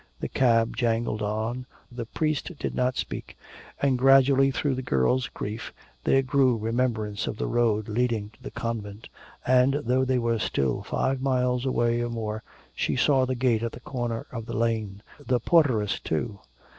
The cab jangled on, the priest did not speak and gradually through the girl's grief there grew remembrance of the road leading to the convent. And, though they were still five miles away or more, she saw the gate at the corner of the lane, the porteress too.